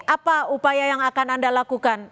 apa upaya yang akan anda lakukan